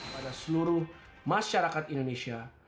pada seluruh masyarakat indonesia